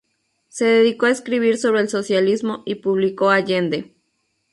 Se dedicó a escribir sobre el socialismo y publicó "Allende.